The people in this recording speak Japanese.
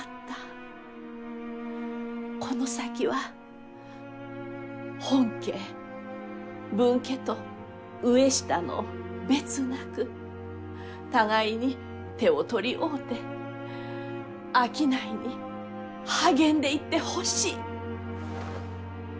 この先は本家分家と上下の別なく互いに手を取り合うて商いに励んでいってほしい！